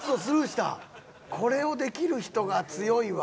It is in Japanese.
これをできる人が強いわ。